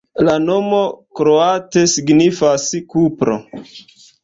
La nomo kroate signifas: kupro.